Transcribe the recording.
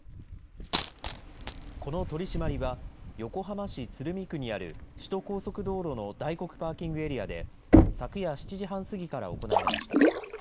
この取締りは、横浜市鶴見区にある、首都高速道路の大黒パーキングエリアで、昨夜７時半過ぎから行われました。